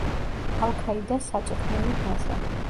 ალ-ქაიდას საწვრთნელი ბაზა.